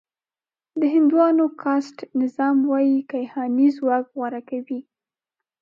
د هندوانو کاسټ نظام وايي کیهاني ځواک غوره کوي.